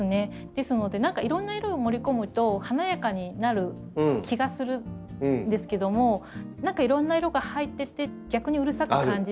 ですので何かいろんな色を盛り込むと華やかになる気がするんですけども何かいろんな色が入ってて逆にうるさく感じ。